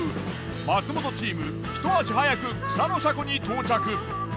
松本チームひと足早く草野車庫に到着。